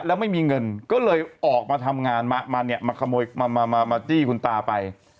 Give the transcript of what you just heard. แล้วไม่มีเงินก็เลยออกมาทำงานมาเนี่ยมาขโมยมามาจี้คุณตาไป